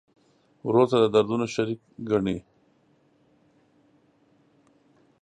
ورور ته د دردونو شریک ګڼې.